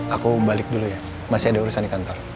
aku balik dulu ya masih ada urusan di kantor